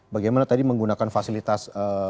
bagaimana tadi menggunakan fasilitas